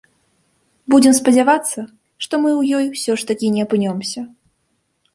Будзем спадзявацца, што мы ў ёй усё ж такі не апынёмся.